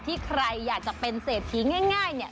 ที่ใครอยากจะเป็นเศรษฐีง่าย